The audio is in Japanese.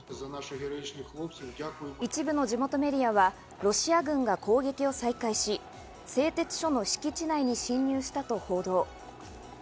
一部の地元メディアはロシア軍が攻撃を再開し、製鉄所の敷地内に侵入したと報道。